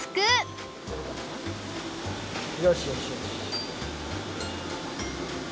よしよしよし。